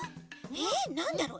えっなんだろう？